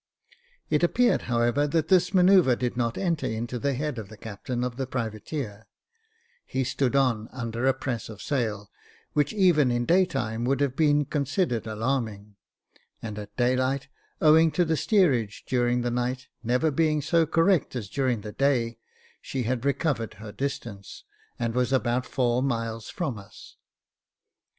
It appeared, however, that this manoeuvre did not enter into the head of the captain of the privateer ; he stood on under a press of sail, which even in day time would have been considered alarming ; and at day light, owing to the steerage during the night never being so correct as during the day, she had recovered her distance, and was about four miles from us.